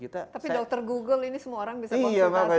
tapi dokter google ini semua orang bisa konfirmasi